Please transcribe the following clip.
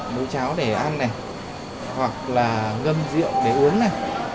mấy cháo để ăn này hoặc là ngâm rượu để uống này